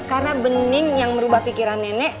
karena bening yang merubah pikiran nenek